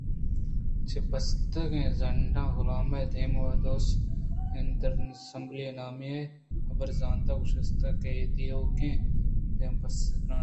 چہ بستگیں زنڈیں غُلامے دِیمادِسؔ ایتھنز اسمبلی ءِ نامی ئیں حبرزانت ءُ گوٛشتانک دیئوکیں دیمادسؔباسکاں ترٛان ءَ ات